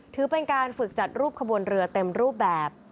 ถือเป็นการฝึกจัดรูปขบวนเรือเต็มรูปแบบ